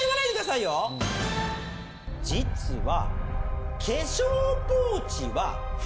実は。